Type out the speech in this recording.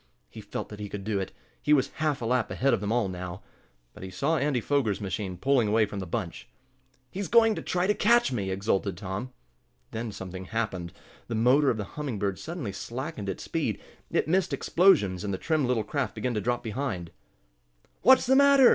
He felt that he could do it. He was half a lap ahead of them all now. But he saw Andy Foger's machine pulling away from the bunch. "He's going to try to catch me!" exulted Tom. Then something happened. The motor of the Humming Bird suddenly slackened its speed, it missed explosions, and the trim little craft began to drop behind. "What's the matter?"